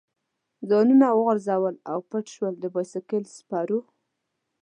ځانونه وغورځول او پټ شو، د بایسکل سپرو.